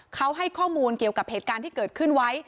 เขาให้ข้อมูลเกี่ยวกับเหตุการณ์ที่เกิดขึ้นไว้